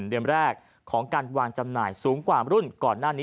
เดือนแรกของการวางจำหน่ายสูงกว่ารุ่นก่อนหน้านี้